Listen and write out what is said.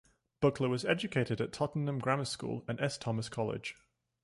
Buckler was educated at Tottenham Grammar School and S Thomas College.